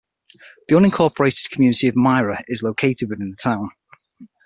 The unincorporated community of Myra is located within the town.